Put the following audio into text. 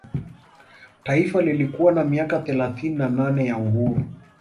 Taifa lilikuwa na miaka thelathini na nane ya uhuru